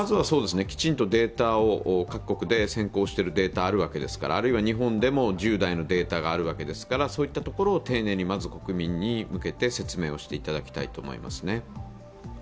きちんとデータを各国で先行しているデータがありますからあるいは日本でも１０代のデータがあるわけですからそういったところを丁寧に国民に向けて説明をしてもらいたいと思いますね。